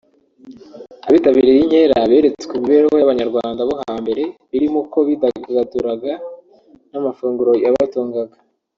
Abitabiriye iyi nkera beretswe imibereho y’Abanyarwanda bo hambere birimo uko bidagaduraga n’amafunguro yabatungaga